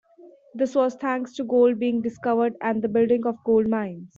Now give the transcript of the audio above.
This was thanks to gold being discovered and the building of gold mines.